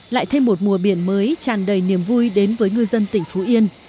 lại thêm một mùa biển mới tràn đầy niềm vui đến với ngư dân tỉnh phú yên